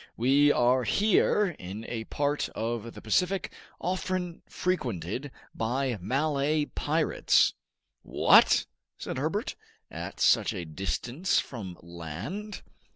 We are here in a part of the Pacific often frequented by Malay pirates " "What!" said Herbert, "at such a distance from land?"